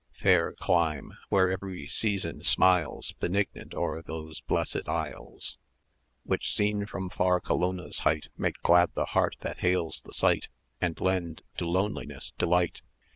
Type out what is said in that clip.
Fair clime! where every season smiles[cg] Benignant o'er those blessed isles, Which, seen from far Colonna's height, Make glad the heart that hails the sight, 10 And lend to loneliness delight.